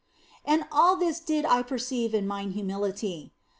And all this did I perceive in mine humility.